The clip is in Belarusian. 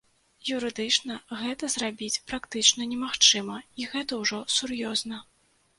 Юрыдычна гэта зрабіць практычна немагчыма, і гэта ўжо сур'ёзна.